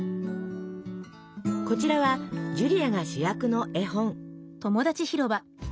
こちらはジュリアが主役の絵本。